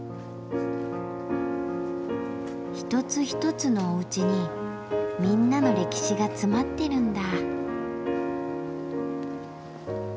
一つ一つのおうちにみんなの歴史が詰まってるんだ。